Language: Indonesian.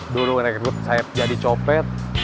dulu rekrut saya jadi copet